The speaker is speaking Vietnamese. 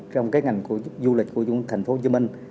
trong cái ngành của du lịch của thành phố hồ chí minh